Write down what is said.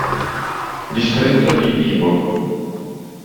Distretto di Ibo